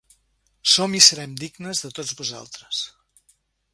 Som i serem dignes de tots vosaltres